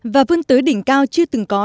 và vươn tới đỉnh cao chưa từng có